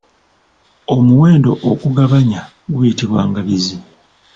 Omuwendo ogugabanya guyitibwa Ngabizi.